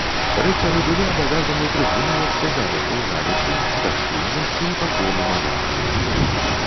Рыцары былі абавязаны прытрымлівацца зарокаў галечы, бясшлюбнасці і пакоры манарху.